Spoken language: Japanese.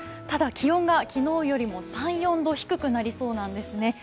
ただ気温が昨日よりも３４度低くなりそうなんですね。